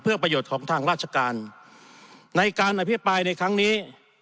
เพื่อประโยชน์ของทางราชการในการอภิปรายในครั้งนี้